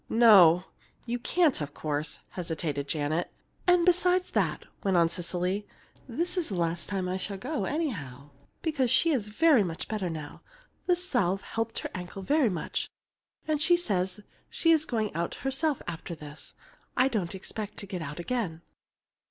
"No you can't, of course," hesitated Janet. "And besides that," went on Cecily, "this is the last time I shall go, anyhow, because she's very much better now, the salve helped her ankle very much, and she says she's going out herself after this. I don't expect to get out again."